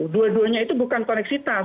dua duanya itu bukan koneksitas